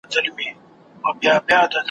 او نورو په درجه ورته قایل دي ,